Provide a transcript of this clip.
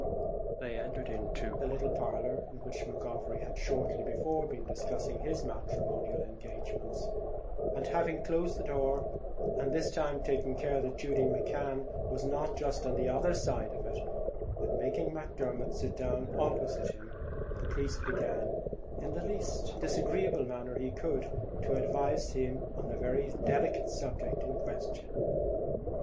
They entered the little parlour in which McGovery had shortly before been discussing his matrimonial engagements, and having closed the door, and, this time, taking care that Judy McCan was not just on the other side of it, and making Macdermot sit down opposite to him, the priest began, in the least disagreeable manner he could, to advise him on the very delicate subject in question.